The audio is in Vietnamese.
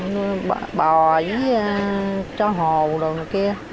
bỏ bò với chó hồ đồ kia